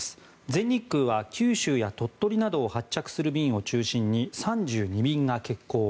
全日空は九州や鳥取などを発着する便を中心に３２便が欠航。